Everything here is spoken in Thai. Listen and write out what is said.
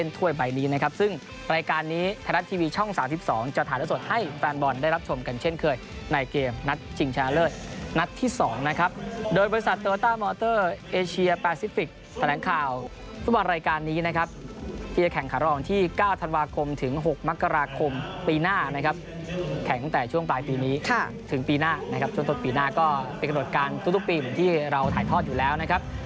ถึงปีหน้านะครับจนต้นปีหน้าก็เป็นขนตรวจการตู้ตู้ปิ่มที่เราถ่ายทอดอยู่แล้วนะครับ